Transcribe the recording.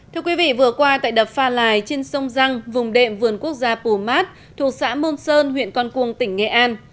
thưa quý vị vừa qua tại đập pha lài trên sông răng vùng đệm vườn quốc gia pumat thuộc xã môn sơn huyện con cuồng tỉnh nghệ an